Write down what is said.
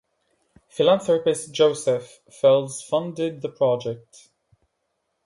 Philanthropist Joseph Fels funded the project.